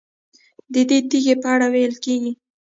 ددې تیږې په اړه ویل کېږي.